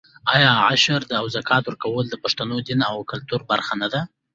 آیا عشر او زکات ورکول د پښتنو دیني او کلتوري برخه نه ده؟